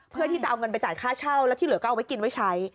เพื่อที่จะเอาเงินไปจ่ายค่าเช่าแล้วที่เหลือก็เอาไว้กินไว้ใช้